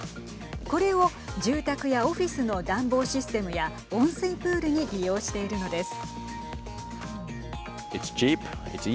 これを住宅やオフィスの暖房システムや温水プールに利用しているのです。